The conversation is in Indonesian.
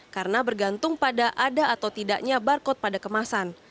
karena bergantung pada ada atau tidaknya barcode pada kemasan